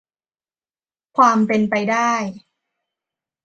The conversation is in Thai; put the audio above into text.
ความเป็นไปได้